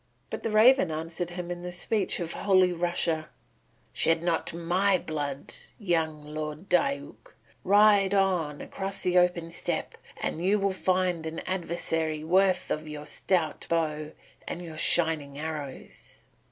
But the raven answered him in the speech of Holy Russia, "Shed not my blood, young Lord Diuk. Ride on across the open steppe and you will find an adversary worthy of your stout bow and your shining arrows."